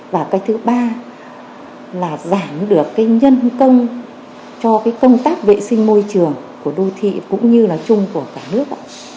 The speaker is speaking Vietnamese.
và cái thứ ba là giảm được cái nhân công cho cái công tác vệ sinh môi trường của đô thị cũng như là chung của cả nước